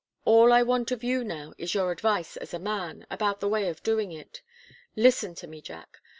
All I want of you now, is your advice as a man, about the way of doing it. Listen to me, Jack.